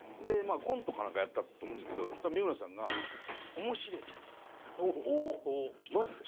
コントか何かやったと思うんですけどそしたら三村さんが。おっ！マジで？